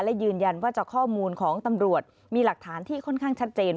และยืนยันว่าจากข้อมูลของตำรวจมีหลักฐานที่ค่อนข้างชัดเจน